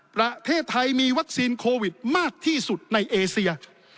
ประเทศไทยมีวัคซีนโควิดมากที่สุดในเอเซีย